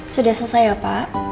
sudah selesai ya pak